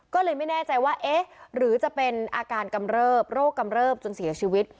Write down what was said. ก็เลยไม่แน่ใจว่าเอ๊ะหรือจะเป็นอาการกำเริบโรคกำเริบจนเสียชีวิต